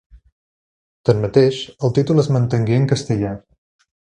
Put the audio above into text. Tanmateix el títol es mantengué en castellà.